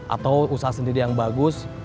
atau usaha sendiri yang bagus